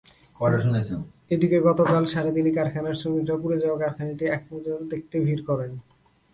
এদিকে, গতকাল সারা দিনই কারখানার শ্রমিকেরা পুড়ে যাওয়া কারখানাটি একনজর দেখতে ভিড় করেন।